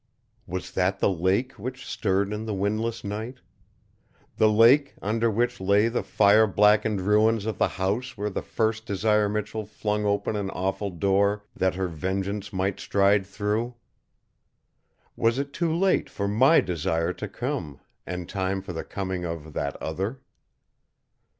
Was that the lake which stirred in the windless night? The lake, under which lay the fire blackened ruins of the house where the first Desire Michell flung open an awful door that her vengeance might stride through! Was it too late for my Desire to come, and time for the coming of that Other?